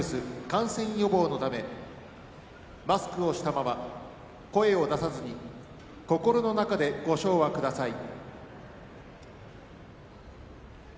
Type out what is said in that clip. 感染予防のためマスクをしたまま声を出さずに心の中でご唱和ください。